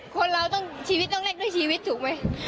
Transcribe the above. คนเราชีวิตต้องแลกด้วยชีวิตถูกมั้ย